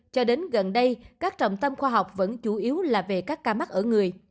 cho đến gần đây các trọng tâm khoa học vẫn chủ yếu là về các ca mắc ở người